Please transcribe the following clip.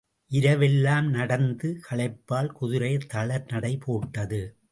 இரவெல்லாம் நடந்த களைப்பால், குதிரை தளிர்நடை போட்டது.